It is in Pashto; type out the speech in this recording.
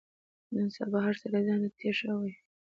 نن سبا هر سړی ځان ته تېشه وهي.